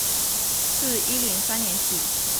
自一零三年起